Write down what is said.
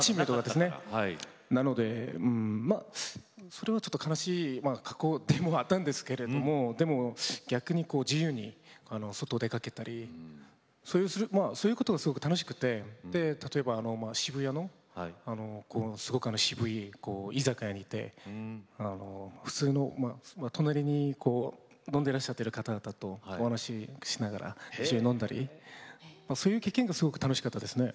それはちょっと悲しい過去でもあったんですけれどもでも逆に自由に外に出かけたりそういうことはすごく楽しくて例えば渋谷の、すごく渋い居酒屋に行って普通の隣に飲んでいらっしゃる方とお話ししながら一緒に飲んだりそういう経験がすごく楽しかったですね。